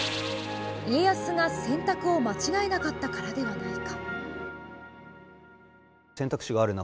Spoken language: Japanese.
家康が選択を間違えなかったからではないか。